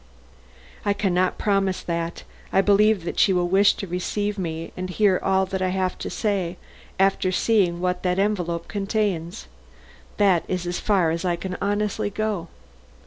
"I can not promise that. I believe that she will wish to receive me and hear all I have to say after seeing what that envelope contains. That is as far as I can honestly go."